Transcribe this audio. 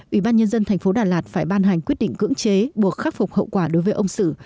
ủy ban nhân dân tp đà lạt phải ban hành quyết định cưỡng chế buộc khắc phục hậu quả đối với ông sử